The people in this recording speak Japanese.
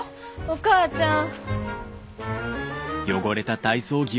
お母ちゃん！